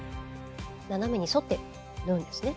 斜めに沿って縫うんですね。